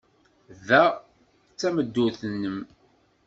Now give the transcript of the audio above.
Ta d tameddurt-nnem.